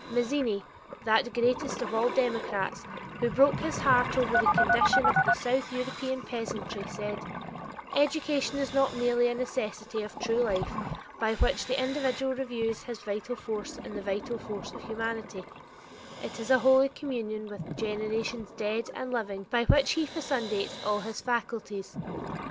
Mazzini, that greatest of all democrats, who broke his heart over the condition of the South European peasantry, said: "Education is not merely a necessity of true life by which the individual renews his vital force in the vital force of humanity; it is a Holy Communion with generations dead and living, by which he fecundates all his faculties.